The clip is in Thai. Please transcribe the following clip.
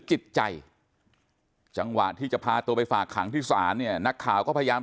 จิตใจจังหวะที่จะพาตัวไปฝากขังที่ศาลเนี่ยนักข่าวก็พยายาม